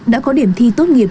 đã có điểm thi tốt nghiệp